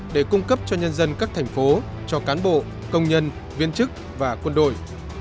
để cung cấp cho nhân dân các thành phố cho cán bộ công nhân viên chức và quân đội